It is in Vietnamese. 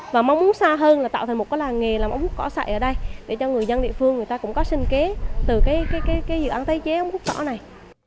và mong muốn xa hơn là tạo thành một cái làng nghề làm ống hút cỏ sậy ở đây để cho người dân địa phương người ta cũng có sinh kế từ cái dự án tái chế ống hút cỏ này